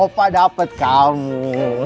opa dapet kamu